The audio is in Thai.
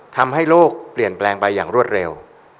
ทำให้โลกเปลี่ยนแปลงไปอย่างรวดเร็ว